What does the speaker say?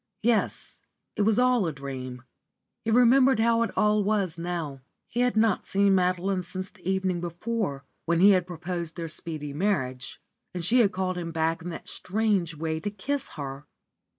Yes, it was all a dream. He remembered how it all was now. He had not seen Madeline since the evening before, when he had proposed their speedy marriage, and she had called him back in that strange way to kiss her.